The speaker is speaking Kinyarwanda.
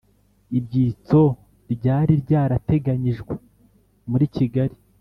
ibyitso ryari rya rateganyijwe muri kigali.